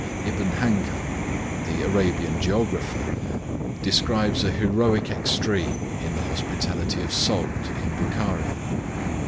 Ibn Hankal, the Arabian geographer, describes a heroic extreme in the hospitality of Sogd, in Bukharia.